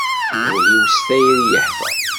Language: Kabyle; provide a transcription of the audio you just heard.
Ul-iw si tayri yeḥfa.